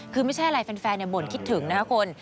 คือไม่ใช่อะไรแฟนบ่นคิดถึงนะคะคุณ